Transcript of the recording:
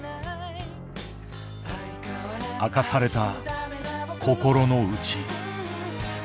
明かされた心の内。